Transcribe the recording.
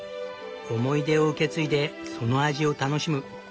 思い出を受け継いでその味を楽しむ。